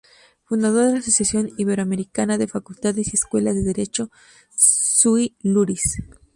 Fundador de la Asociación Iberoamericana de Facultades y Escuelas de Derecho Sui Iuris.